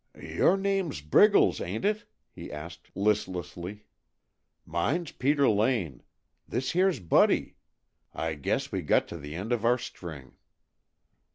"Your name's Briggles, ain't it?" he asked listlessly. "Mine's Peter Lane. This here's Buddy. I guess we got to the end of our string."